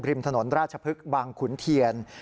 ริมถนนราชพฤกษ์บางขุนเทียน